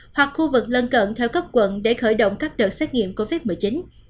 hoặc khu vực lân cận theo cấp quận để khởi động các đợt xét nghiệm covid một mươi chín